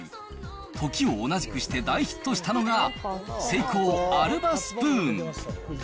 時を同じくして大ヒットしたのが、セイコー、アルバスプーン。